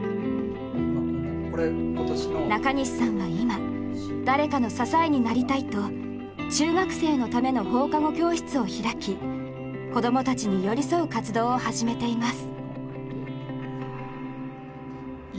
中西さんは今誰かの支えになりたいと中学生のための放課後教室を開き子供たちに寄り添う活動を始めています。